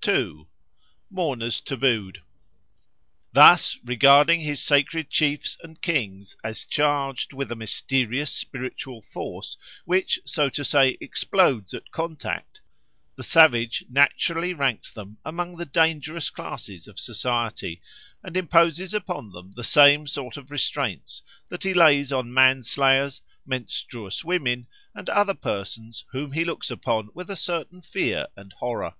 2. Mourners tabooed THUS regarding his sacred chiefs and kings as charged with a mysterious spiritual force which so to say explodes at contact, the savage naturally ranks them among the dangerous classes of society, and imposes upon them the same sort of restraints that he lays on manslayers, menstruous women, and other persons whom he looks upon with a certain fear and horror.